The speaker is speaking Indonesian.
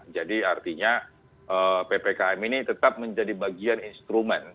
jadi artinya ppkm ini tetap menjadi bagian instrumen